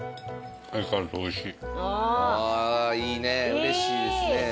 うれしいですね。